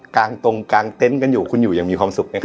งตรงกลางเต็นต์กันอยู่คุณอยู่อย่างมีความสุขไหมครับ